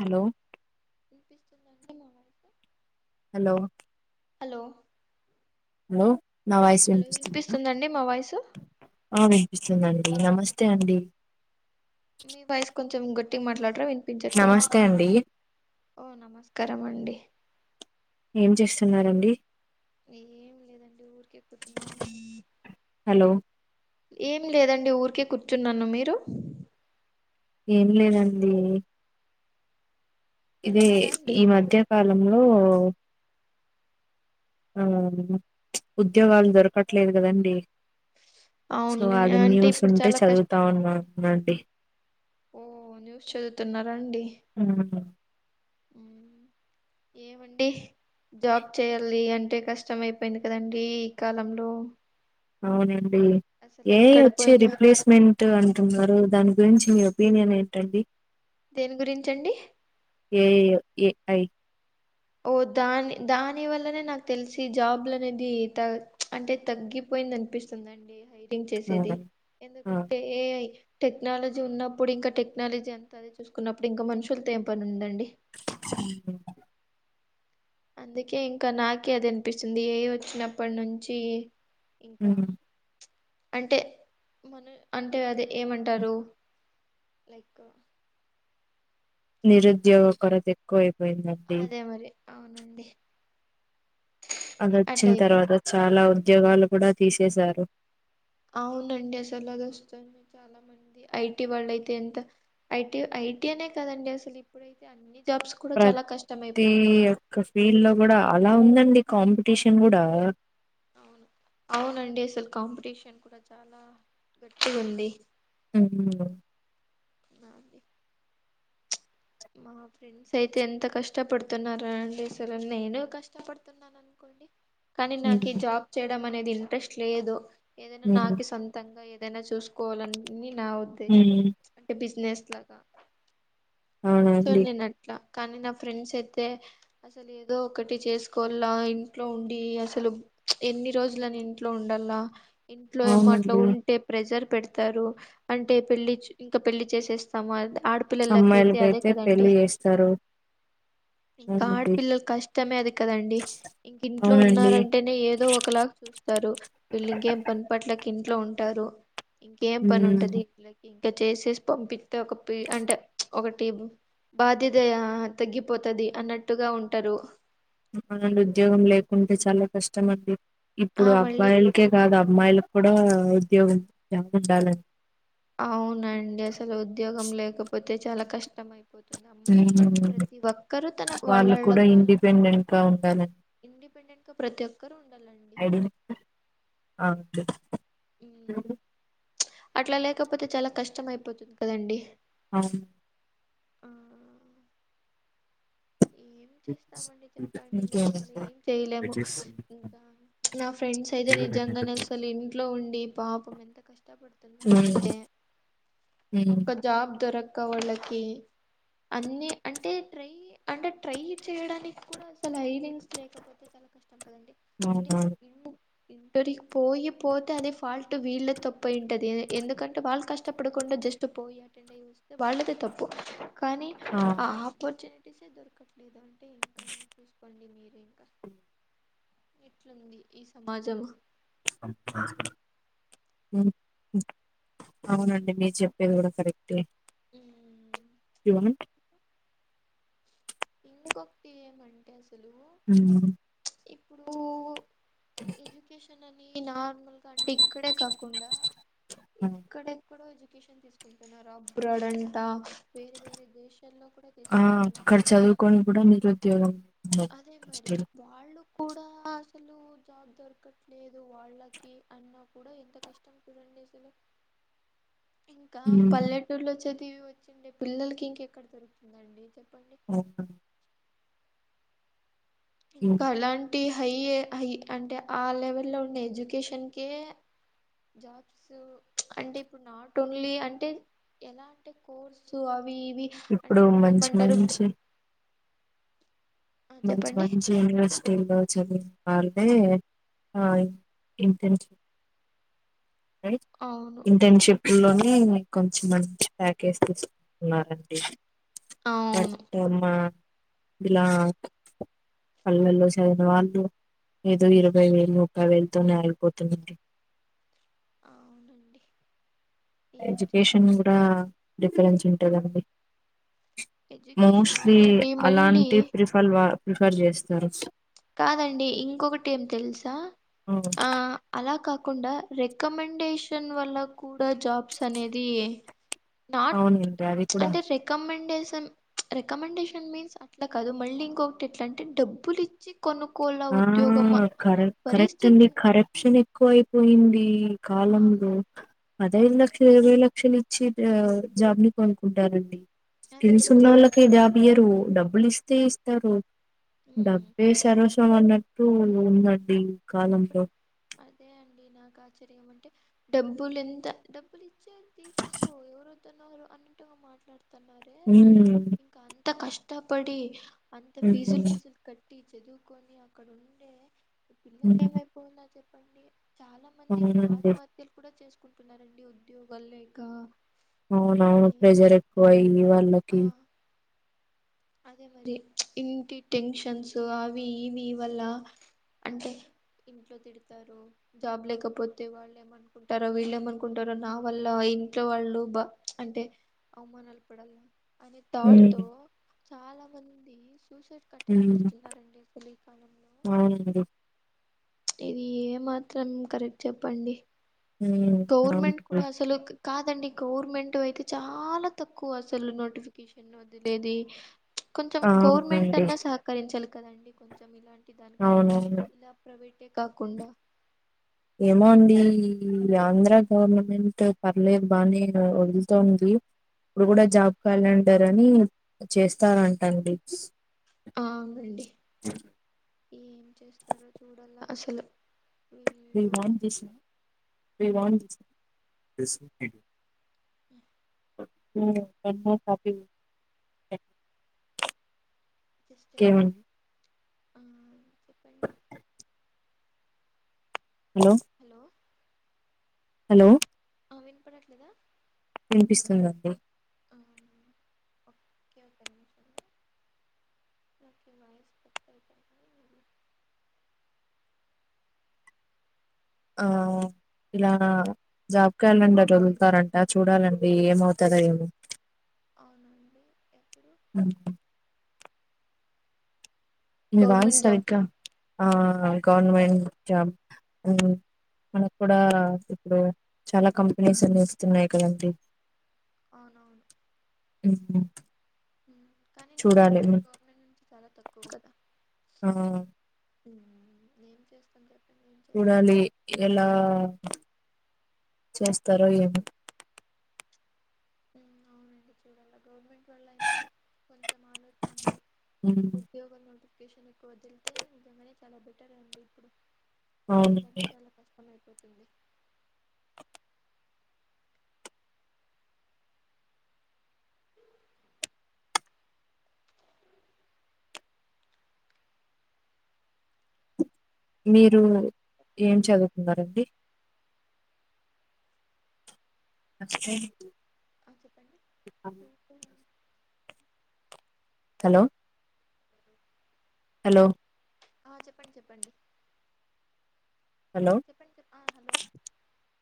Hello వినిపిస్తూ hello hello లో నా వాయిస్ హలో వినిపిస్తుంద వినిపిస్తుందండి మా వాయిసు నమస్తే అండి మీ వాయిస్ కొంచెం గట్టిగా మాట్లాడరా వినిపించట్లేదు నమస్తే అండి ఓ నమస్కారం అండి ఏం చేస్తున్నారండి ఏం లేదండి ఊరికే కూర్చున్నాను హలో ఏం లేదండి ఊరికే కూర్చున్నాను మీరు ఏం లేదండి ఇదే తిన్నారా అండి ఈ మధ్యకాల లంలో ఆ ఉద్యోగాలు దొరకట్లేదు కదండి సో అవునులే అది అంటే న్యూస్ ఇప్పుడు ఉంటే చాలా చదువుతా కష్టం కదండి ఉన్నానండి ఓ న్యూస్ చదువుతున్నారాండి ఉమ్, మ్మ్ ఏమండి జాబ్ చేయాలి అంటే కష్టం అయిపోయింది కదండి ఈ కాలంలో అవును అసలు ఏ ఎక్కడ వచ్చి పోయినా రిప్లేస్మెంట్ అంటున్నారు దాని గురించి మీరు ఒపీనియన్ ఏంటండి దేని గురించండి ఏ ఏ ఏ ఐ ఓ దాని దాని వల్లనే నాకు తెలిసి జాబ్లు అనేది త అంటే తగ్గిపోయింది అనిపిస్తుందండి చేసేది ఆ ఆ ఎందుకంటే ఏ ఐ టెక్నాలజీ ఉన్నప్పుడు ఇంకా టెక్నాలజీ అంత అది చూసుకున్నప్పుడు ఇంకా మనుషులతో ఏం పని ఉందండి హ్మ్ హు అందుకే ఇంకా నాకే అది అనిపిస్తుంది ఏ ఐ వచ్చినప్పటి నుంచి ఇంకా ఉమ్ అంటే మన అంటే అదే ఏమంటారు లైక్ నిరుద్యోగ కొరత ఎక్కువ పోయిందండి అదే మరి అవునండి అట్లా అదొచ్చిన్ అయిపోయింది తర్వాత చాలా ఉ ఉద్యోగాలు కూడా తీసేశారు. అవునండి అసలు అది వస్తునే చాలా మంది. ఐ. టీ వాళ్ళ అయితే ఎంత ఐ. T I. టీ అనే కదండి. అసలు ఇప్పుడైతే అన్నీ ప్రతీ ఒక్క ఫీల్డ్ లో కూడా అలా ఉందండి. కాంపిటీషన్ గూడా అవును అవునండి అసలు కాంపిటీషన్ కూడా చాలా గట్టిగుంది. అవునండి [inaudible] నాది మా ఫ్రెండ్స్ అయితే ఎంత కష్టపడుతున్నారోనండి. అసలు నేను కష్టపడుతున్నాననుకోండి. కానీ నాకు ఈ ఉమ్ జాబ్ చేయడం అనేది ఇంట్రెస్ట్ లేదు. ఏదైనా ఉమ్ నాకే సొంతంగా ఏద్ దైనా చూసుకోవాలని మీర్ నా ఉద్దేశం ఉమ్ అంటే బిస్ నేస్లా గా [inaudible] సో అవునండి నేనట్లా కానీ నా ఫ్రెండ్స్ అయితే. అసలు ఏదో ఒకటి చేసుకోవాలా ఇంట్లో ఉండి. అసలు ప్చ్ ఎన్ని రోజులని ఇంట్లో ఉండాలా. ఇంట్లో ఏమో అట్లా అవునండి ఉంటే ప్రెజర్ పెడతారు అంటే పెళ్లి ఇంకా పెళ్లి చేసేస్తాము అంట్ ఆడపిల్లలకై అదే అమ్మాయిలకైతే కదండి. పెళ్లి చేస్తారు ఇంకా అవునండి ఆడపిల్లల కష్టమే అది కదండి. ఇంక ఇంట్లో అవునండి ఉన్నారంటేనే ఏదో ఒకలాగా చూస్తారు. వీళ్ళు ఇంకేం పని పాట లే ఇంట్లో ఉంటారు. ఇంకేం పని ఉమ్ ఉంటది విళ్ళకి ఇంక చేసేసి పంపిత్తే ఒక పి అంటే ప్చ్ ఒకటి బాధ్యతయా తగ్గిపోతది అన్నట్టుగా ఉంటరు. అవునండి ఉద్యోగం లేకుంటే చాలా కష్టం అండి. ఆ ఇప్పుడు మళ్ళీ అబ్బాయిలకే కాదబ్ అమ్మాయిలకు కూడా ఉద్యోగం ఉండాలండి. తే చాలా కష్టం అయిపో పోతుంది అమ్మాయిలు. ఉమ్ ప్రతి ఒక్కరూ తన వాళ్ళు వాళ్ళళ్ల కూడా కాళ్ల ఇండిపెండెంట్ గా ఇండిపెండెంట్. ప్రతిఒక్కరు ఐ. డి నంబర్ [inaudible] ఉమ్. [inaudible] అట్లా లేకపోతే చాలా కష్టం అయిపోతుంది కదండి. అవును ఆ ఏం చేస్తామండి చెప్పండి ఇంకా ఇంకేమండి అసలు ఏం చేయలేము ఇంకా నా ఫ్రెండ్స్ అయితే నిజంగానే అసలు ఇంట్లో ఉండి పాపం ఎంత కష్టపడుతున్నారు హ్మ్ అంటే హ్మ్ ఒక జాబ్ దొరక్ అక్క వాళ్ళకి అన్నిీ అంటే ట్రై అంటే ట్రై చేయడానికి కూడా అసలు హై వింగ్స్ లేకపోతే అంటే అవునవును. ఇన్న ఇంటరికి పోయిపోతే అదే ఫాల్ట్ వీళ్ళే తప్పు అయింటుది ఎందుకంటే వాళ్ళు కష్టపడకుండా జస్ట్ పోయి అటెండ్ అయ్యి చస్తే వాళ్ళదే తప్పు కానీ ఆ అపార్చు అప్పోర్టునిటీస్ ఎ దొరకట్లేదు అంటే ఇంకా చూసుకోండి మీరు ఇంకా ఎట్లుంది ఈ సమాజము [unintelligible] ఉమ్, అవునండి మీరు జేప్పేది గూడా కరెక్ట్ ఎ ఉమ్. యూ వాంట్ ఇంగోకటి ఏమంటే అసలు ఊ ఇప్పుడూ ఏజ్యుకేషన్ నార్మల్ ఇక్కడే కాకుండా అవును. ఎక్కడెక్కడో తీసుకుంటున్నారు అబ్రాడ్ అంటా వేరే వేరే దేశ లో కూడా తీసుకుంటున్నారు కొని గూడా నిరుద్యోగం ఉందండి, అదే మరి కష్టాలు. వాళ్ళు కూడా అసలు జాబ్ దొరకట్లేదు వాళ్ళకి అయిన కూడా ఎంత కష్టం చూడండి అసలు ఇంకా హ్మ్. పల్లెటూర్లో చ దివి వచ్చిండే పిల్లకి ఇంకెక్కడ దొరుకుతుందండి చెప్ [unintelligible] హ్మ్. ఇంకా అలాంటి హై హై అంటే ఆ లెవెల్లో ఉన్న ఎడ్యుకేషన్ కే జాబ్స్ అంటే ఇప్పుడు నాట్ ఓన్లీ అంటే ఎలా అంటే కోర్సు అవి ఇవి ఇప్పుడు అంటే మంచి ఏమంటారు మంచి ఆ మంచి చెప్పండి మంచి యూనివర్సి టిలో చదివిన వాళ్ళే ఇంటెన్షిప్ అవును ఇంటెన్షిప్ ఊల్లోనే ఇంకొంచెం మంచి ప్యాకేజ్ తీసుకుంటున్నారండి అవును తప్పామ్మ ఇలా పల్లెల్లో చదివిన వాళ్లు ఏదో ఇరవై వేలు ముప్పై వేలు తోనే ఆగిపోతుందండి అవునండి ఏం ఎడ్యుకేషన్ చేస్తాం కూడా డిఫరెన్స్ ఉంటదండి ఎడ్యుకేషన్ మోస్ట్లీ అవునండి మళ్ళీ అలాంటి ప్రిఫల్ వా రిఫర్ చేస్తారు కాదండి ఇంకొకటి ఏం తెలుసా ఆ అలా కాకుండా రాకమాండ్ డేషన్ వల్ల కూడా జాబ్స్ అనేది నాట్ అవునండి అది కూడా అంటే రికమెండే షన్ రికమెండేషన్ మీన్స్ అట్లా కాదు మళ్లీ ఇంకొకటి ఎట్లా అంటే డబ్బులు ఇచ్చి కొను ఆ కరె కరెక్ట్ అండి పరిస్థితి కరప్షన్ ఎక్కువ అయిపోయింది ఇది ఆ కాలంలో మరి పదేళ్లక ఇరవై లక్షలు ఇచ్చి అ జాబ్ ని కొనుక్కుంటారండి అదే మరి అసలు తెలుసున్నోళ్ళకి ఇప్పుడు జాబియ్యరు డబ్బులు ఇస్తే తీస్తారు ఉమ్ డబ్బే సర్వస్వం స్వం అన్నటు ఉన్నది ఇప్పుడు అదే అండి నాక డబ్బులు ఎంత డబ్బులు ఇచ్చే తీసేసుకో ఎవరు వద్దున్నారు అన్నట్టు గా మాట్లాడు తున్నారె అసలు ఉమ్ ఇంకా అం త కష్టపడి అంత హ్మ్. ఫీజులు ఫీజులు కటి ట్టి చదువుకొని అక్కడ ఉంటే పిల్లలు హ్మ్. ఎమైపోయిన ప్పండి చాలా మంది ఇప్పుడు అవునండి. ఆత్మహత్యలు కూడా చేసుకు ఉన్నారండి ఉద్యోగాలు లేక అవునవును ఉమ్, ప్రెజర్ ఎక్కువయి వాళ్ళకి ఆ అదే మరి ఇంటి టెన్షన్స్ అవి ఇవి వల్ల అంటే ఇంట్లో తిడతారు జాబ్ లేకపోతే వాళ్లు ఏమనుకుంటారో వీళ్లు ఏమనుకుంటారో నా వల్ల ఇంట్లో వాళ్లు బ అంటే అవమానాలు పడాల అనే తాట్ హ్మ్. తో చాలా మంది ష్ టూ సైడ్ కటిం హ్మ్. చేస్తున్నారండి తెలియక అవునండి. ఇది ఏ మాత్రం కరెక్ట్ చెప్పండి. హుహ్మ్ గవర్నమెంట్ అవును కూడా అసలు కాదండి గౌవర్నమెంట్ అయితే చాలా తక్కువ అసలు నోటిఫికేషన్ వదిలేది. కొంచెం గౌవర్నమెంట్ అవునండి. అన్నా సహకరించాలి కదండి కొంచెం ఇలాం టి దానికి కైనా అవునవును. ఇలా వీటే కాకుండా ఏమో అండి ఈ ఆంధ్ర గౌవర్నమెంట్ పర్లేదు బానే వ వదులుతుంది. ఇప్పుడు గూడా ఉమ్ జాబ్ కాలంటార్ రని చేస్తారంటాండి ప్స్ అ అవునండి. ఏం చేస్తారో చూడాల అసలు వీళ్ళు వివాన్ చేశ్న రెసిపీ హా నీళ్ళోక్కటన్న తాపివు [unintelligible] ఆ చెప్పండి హలో హలో ఆ వినపడట్లేదా వినిపిస్తుందండి ఆ ఓకే ఓక నిమిషం నాకు ఈ వాయిస్ కట్ అవుతుంది. ఆ ఇలా జాబ్ క్యాలెండర్ వదులుతారంట చూడాలండి ఏమవుతదో ఏమో అవునండి ఎప్పుడు హ్మ్. మీ వాయిస్ గవర్నమెంట్ సరిగ్గ జాబ్సా ఆ ఆ గవర్నమెంట్ జాబ్ ఉ మనకు కూడా ఇప్పుడు చాలా కంపెనీస్ అన్ని ఇస్తున్నాయి కదండి. అవునవును ఉమ్మ్ కానీ నోటిఫికేషన్ గవర్నమెంట్ నుంచి చాలా తక్కువ కదా ఆ ఏం చేస్తున్నావ్ చూడాలి ఎలా చేస్తారో ఏమో అవునండి చూడాల గవరన్మెంట్ వాళైనా కొంచెం ఆలోచించి హ్మ్. ఉద్యోగం నుండి కేషన్ ఎక్కువ వదిలితే నింకంగానే చాలా బెటర్ అండి ఇప్పుడు అవునండి లేదంటడి చాలా కష్టమ అవుతుంది మీరు ఏం చదువుకున్నారండి నే అ చెప్పండి ఇ హలో హలో ఆ చెప్పండి చెప్పండి హలో చెప్పండి చెప్ ఆ హలో